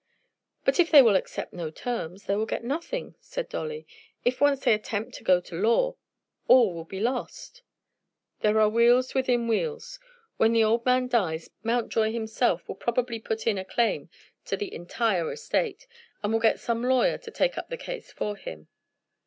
"But if they will accept no terms they will get nothing," said Dolly. "If once they attempt to go to law all will be lost." "There are wheels within wheels. When the old man dies Mountjoy himself will probably put in a claim to the entire estate, and will get some lawyer to take up the case for him."